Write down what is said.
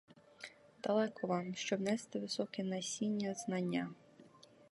Далеко вам, щоб нести високе насіння знання!